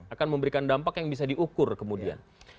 akan memberikan dampak yang bisa diukur kemudian